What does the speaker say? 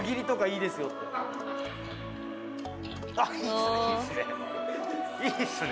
いいですね。